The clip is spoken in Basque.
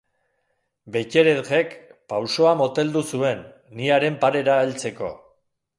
Betteredgek pausoa moteldu zuen, ni haren parera heltzeko.